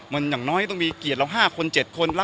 มันอย่างน้อยต้องมีเกียรติเรา๕คน๗คนรักเรา๓คนก็พอแล้ว